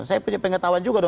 saya punya pengetahuan juga